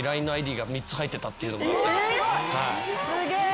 すげえ！